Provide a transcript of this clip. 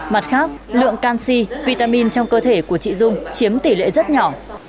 mặt khác lượng canxi vitamin trong cơ thể của chị dung chiếm tỷ lệ rất nhỏ